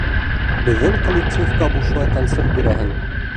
Беҙҙең коллективҡа бушлай концерт бирәһең.